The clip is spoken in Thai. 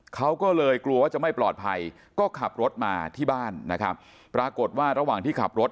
เขาก็เลยกลัวว่าจะไม่ปลอดภัยก็ขับรถมาที่บ้านนะครับปรากฏว่าระหว่างที่ขับรถ